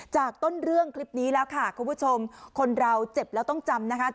จากต้นเรื่องคลิปนี้แล้วค่ะคุณผู้ชมคนเราเจ็บแล้วต้องจำนะคะ